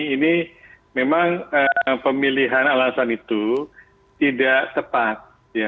ini memang pemilihan alasan itu tidak tepat